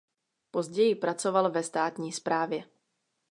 Později pracoval ve státní správě.